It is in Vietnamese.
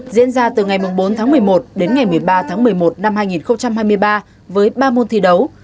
diễn ra từ ngày bốn tháng một mươi một đến ngày một mươi ba tháng một mươi một năm hai nghìn hai mươi ba với ba môn thi đấu